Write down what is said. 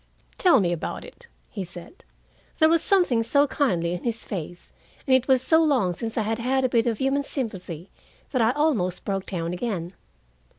"Tell me about it," he said. There was something so kindly in his face, and it was so long since I had had a bit of human sympathy, that I almost broke down again.